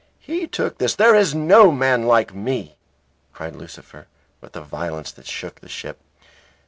"He took this " "There is no man like me," cried Lucifer, with a violence that shook the ship.